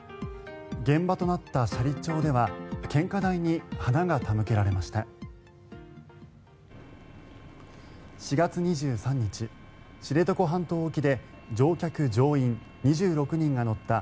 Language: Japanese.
現場となった斜里町では献花台に花が手向けられました。